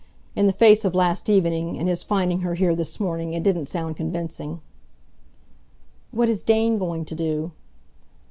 In the face of last evening, and his finding her here this morning, it didn't sound convincing." "What is Dane going to do?"